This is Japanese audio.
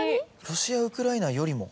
ロシア・ウクライナよりも？